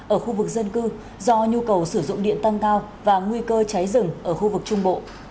ở khu vực dân cư do nhu cầu sử dụng điện tăng cao và nguy cơ cháy rừng ở khu vực trung bộ